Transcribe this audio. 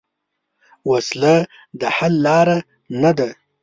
وسله د حل لار نه ده